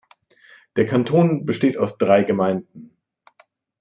Der Kanton besteht aus drei Gemeinden.